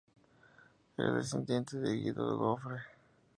Era descendiente de Guido Jofre.